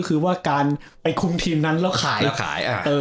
การไปคุมทีมนั้นแล้วขาย